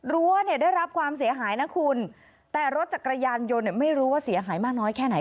เนี่ยได้รับความเสียหายนะคุณแต่รถจักรยานยนต์เนี่ยไม่รู้ว่าเสียหายมากน้อยแค่ไหน